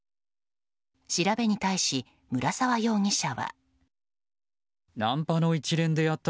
調べに対し、村沢容疑者は。